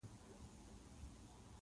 احمد سپين سترګي کوي؛ څه ور سره وکړم؟!